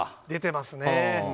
出てますね。